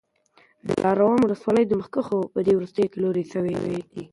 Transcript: د دلارام ولسوالۍ د مځکو بیې په دې وروستیو کي لوړي سوې دي.